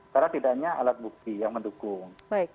karena tidaknya alat bukti yang mendukung